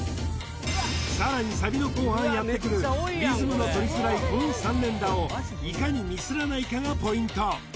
さらにサビの後半やってくるリズムのとりづらいこの３連打をいかにミスらないかがポイント